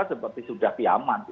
seperti sudah kiamat